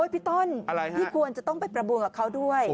พี่ต้นพี่ควรจะต้องไปประบูลกับเขาด้วย